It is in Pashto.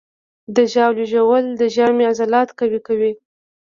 د ژاولې ژوول د ژامې عضلات قوي کوي.